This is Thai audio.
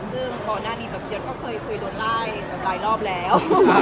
ซึ่งข้อนานี้เจียมเคยโดนล่ายหลายรอบแล้ว